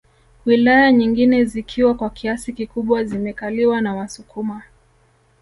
Wilaya nyingine zikiwa kwa kiasi kikubwa zimekaliwa na wasukuma